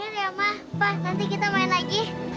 bener ya ma pa nanti kita main lagi